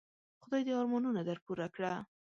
خدای دي ارمانونه در پوره کړه .